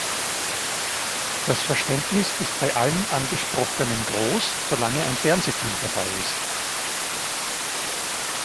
Das Verständnis ist bei allen Angesprochenen groß, solange ein Fernsehteam dabei ist.